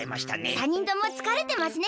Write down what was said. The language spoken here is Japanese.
３にんともつかれてますね。